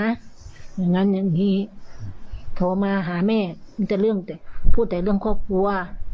อย่างนั้นอย่างงี้โทรมาหาแม่พูดแต่เรื่องครอบครัว